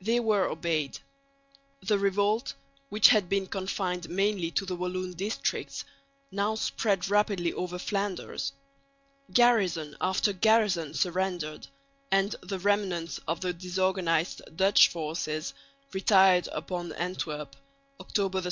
They were obeyed. The revolt, which had been confined mainly to the Walloon districts, now spread rapidly over Flanders. Garrison after garrison surrendered; and the remnants of the disorganised Dutch forces retired upon Antwerp (October 2).